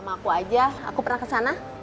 sama aku aja aku pernah kesana